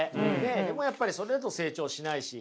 でもやっぱりそれだと成長しないし。